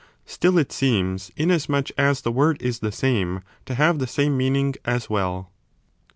Still it seems, inasmuch as the word is the same, to have the same meaning as well.